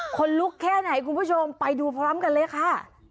คนลุกแค่ไหนคุณผู้ชมไปดูพร้อมกันเลยค่ะ